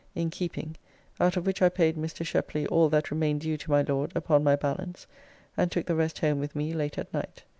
in keeping, out of which I paid Mr. Sheply all that remained due to my Lord upon my balance, and took the rest home with me late at night.